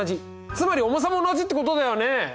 つまり重さも同じってことだよね！